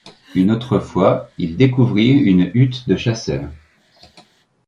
Une autre fois, ils découvrirent une hutte de chasseur.